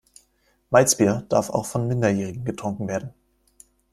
Malzbier darf auch von Minderjährigen getrunken werden.